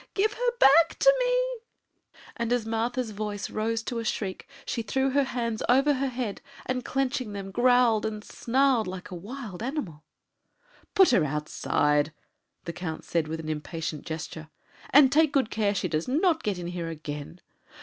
Give her back to me!" And as Martha's voice rose to a shriek, she threw her hands over her head, and, clenching them, growled and snarled like a wild animal. "Put her outside!" the Count said with an impatient gesture; "and take good care she does not get in here again."